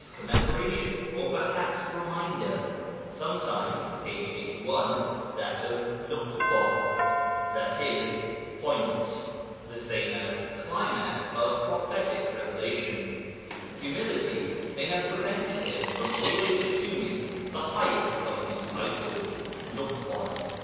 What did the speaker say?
Commemoration, or perhaps Reminder); sometimes (p. 81) that of Nuḳṭa, i.e. Point (= Climax of prophetic revelation). Humility may have prevented him from always assuming the highest of these titles (Nuḳṭa).